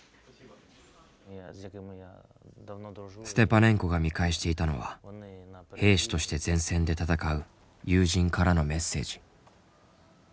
ステパネンコが見返していたのは兵士として前線で戦う友人からのメッセージ。